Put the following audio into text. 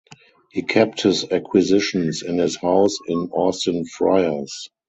He kept his acquisitions in his house in Austin Friars.